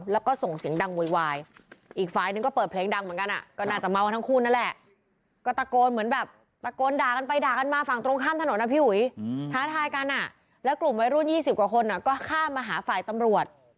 แล้วกลุ่มวัยรุ่น๒๐กว่าคนก็ข้ามมาหาฝ่ายตำรวจ